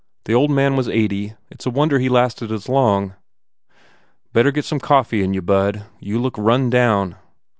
The old man was eighty. It s a wonder he lasted as long." "Better get some coffee in you, bud. You look run down."